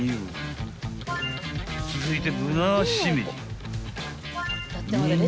［続いて］